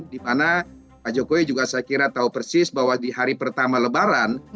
dimana pak jokowi juga saya kira tahu persis bahwa di hari pertama lebaran